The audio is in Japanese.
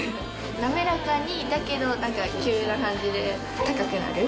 滑らかに、だけどなんか、急な感じで高くなる。